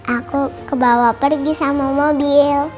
aku kebawa pergi sama mobil